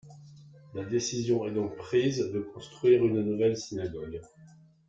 La décision est donc prise de construire une nouvelle synagogue.